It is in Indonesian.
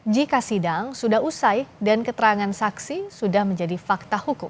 jika sidang sudah usai dan keterangan saksi sudah menjadi fakta hukum